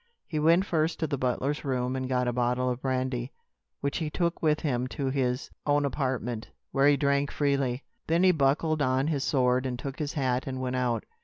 He went first to the butler's room and got a bottle of brandy, which he took with him to his own apartment, where he drank freely. Then he buckled on his sword and took his hat and went out.